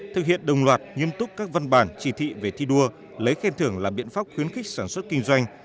thực hiện đồng loạt nghiêm túc các văn bản chỉ thị về thi đua lấy khen thưởng là biện pháp khuyến khích sản xuất kinh doanh